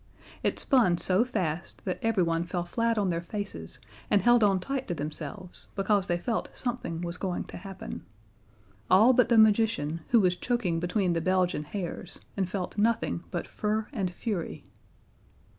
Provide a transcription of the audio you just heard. It spun so fast that everyone fell flat on their faces and held on tight to themselves, because they felt something was going to happen. All but the magician, who was choking between the Belgian hares, and felt nothing but fur and fury.